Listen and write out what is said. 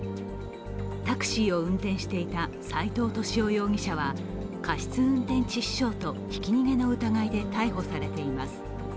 タクシーを運転していた斎藤敏夫容疑者は過失運転致死傷とひき逃げの疑いで逮捕されています。